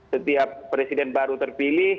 setiap presiden baru terpilih